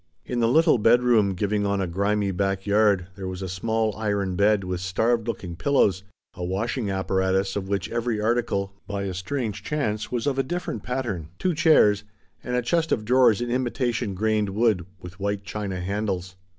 In the little bedroom, giving on a grimy back yard, there was a small iron bed with starved looking pillows, a washing apparatus of which every article, by a strange chance, was of a different pattern, two chairs, and a chest of drawers in imitation grained wood, with white china handles.